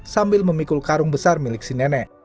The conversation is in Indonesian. sambil memikul karung besar milik si nenek